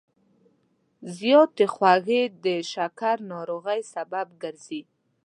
زیاتې خوږې د شکر ناروغۍ سبب ګرځي.